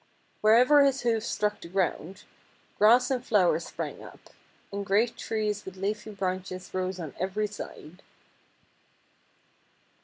Wherever his hoofs struck the ground, grass and flowers sprang up, and great trees with leafy branches rose on every side.